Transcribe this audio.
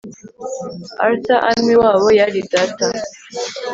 Arthur Amy wabo yari data